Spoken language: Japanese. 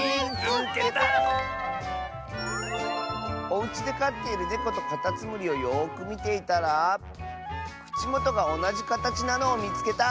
「おうちでかっているネコとカタツムリをよくみていたらくちもとがおなじかたちなのをみつけた！」。